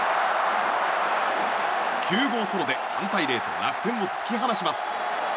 ９号ソロで３対０と楽天を突き放します。